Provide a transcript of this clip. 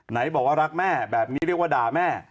ไหนบอกว่ารักแม่แบบนี้เรียกว่าด่าแม่